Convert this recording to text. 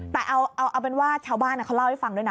แต่เอาเป็นว่าชาวบ้านเขาเล่าให้ฟังด้วยนะ